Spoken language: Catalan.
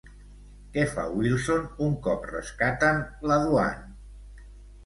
Què fa Wilson un cop rescaten la Duane?